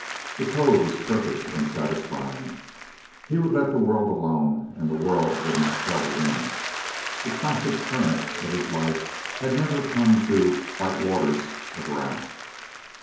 The code was perfect and satisfying. He would let the world alone and the world would not trouble him. The placid current of his life had never come to "white waters" of wrath.